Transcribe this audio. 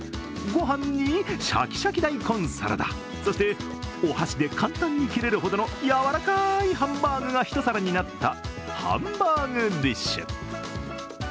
御飯にシャキシャキ大根サラダ、そして、お箸で簡単に切れるほどのやわらかーいハンバーグが１皿になったハンバーグディッシュ。